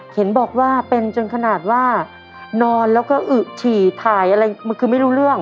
เห็นบอกว่าเป็นจนขนาดว่านอนแล้วก็อึฉี่ถ่ายอะไรคือไม่รู้เรื่อง